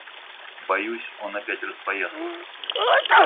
Боюсь, он опять распоясался.